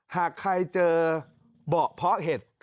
หากใครเจอเบาะเพาะเห็ด